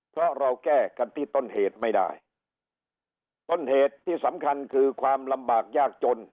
เพราะเราแก้กันที่ต้นเหตุไม่ได้ต้นเหตุที่สำคัญคือความลำบากยากจน